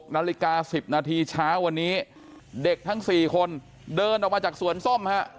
นาฬิกา๑๐นาทีเช้าวันนี้เด็กทั้ง๔คนเดินออกมาจากสวนส้มฮะ